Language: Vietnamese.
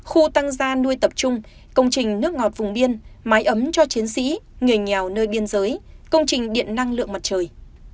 khu tăng da nuôi tập trung công trình nước ngọt vùng biên máy ấm cho chiến sĩ người nhào nơi biên giới công trình điện năng lượng mặt trời